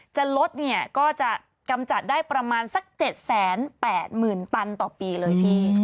จะลดเนี่ยก็จะกำจัดได้ประมาณสัก๗๘๐๐๐ตันต่อปีเลยพี่